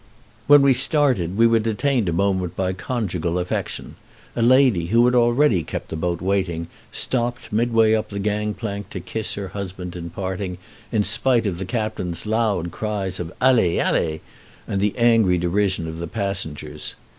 When we started we were detained a moment by conjugal affection. A lady, who had already kept the boat waiting, stopped midway up the gang plank to kiss her husband in parting, in spite of the captain's loud cries of "Allez! Allez!" and the angry derision of the passengers.